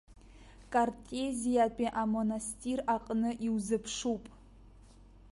Картезиатәи амонастир аҟны иузыԥшуп.